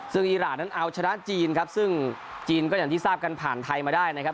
ซึ่งอีรานนั้นเอาชนะจีนครับซึ่งจีนก็อย่างที่ทราบกันผ่านไทยมาได้นะครับ